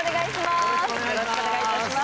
よろしくお願いします